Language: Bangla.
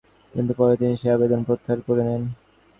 কিন্তু পরে তিনি সেই আবেদন প্রত্যাহার করে নেন।